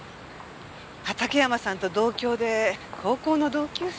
畑山さんと同郷で高校の同級生。